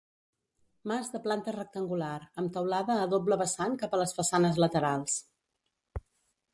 Mas de planta rectangular amb teulada a doble vessant cap a les façanes laterals.